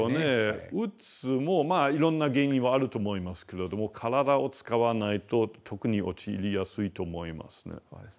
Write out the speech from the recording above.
うつもいろんな原因はあると思いますけれども体を使わないと特に陥りやすいと思いますね。